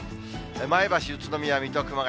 前橋、宇都宮、水戸、熊谷。